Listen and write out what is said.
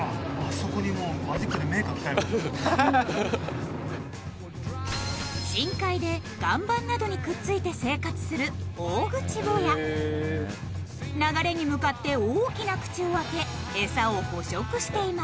そこにもう深海で岩盤などにくっついて生活する「オオグチボヤ」流れに向かって大きな口を開けエサを捕食しています